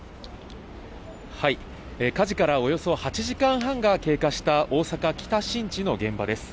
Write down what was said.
火事からおよそ８時間半が経過した大阪・北新地の現場です。